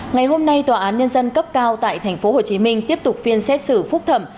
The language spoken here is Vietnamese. ngày hôm nay tòa án nhân dân cấp cao tại tp hcm tiếp tục phiên xét xử phúc thẩm